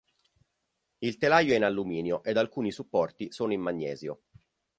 Il telaio è in alluminio ed alcuni supporti sono in magnesio.